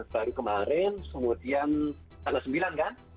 baru kemarin kemudian tanggal sembilan kan